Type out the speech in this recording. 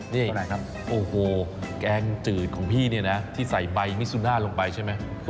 นี่แกงจืดของพี่นี่นะที่ใส่ใบมิสุน่าลงไปใช่ไหม